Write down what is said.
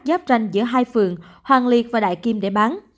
giáp tranh giữa hai phường hoàng liệt và đại kim để bán